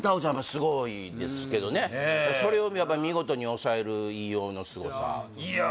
すごいですけどねねえそれを見事に抑える飯尾のすごさいや